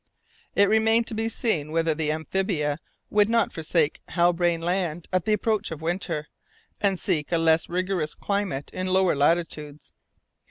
It remained to be seen whether the amphibia would not forsake Halbrane Land at the approach of winter, and seek a less rigorous climate in lower latitudes.